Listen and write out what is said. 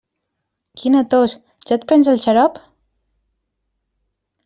Quina tos, ja et prens el xarop?